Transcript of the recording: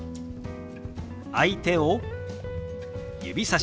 相手を指さします。